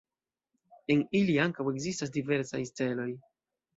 En ili ankaŭ ekzistas diversaj celoj.